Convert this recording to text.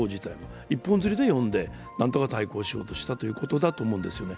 一本釣りで呼んで、なんとか対抗しようとしたということだと思うんですよね。